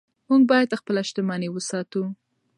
موږ باید خپله شتمني وساتو.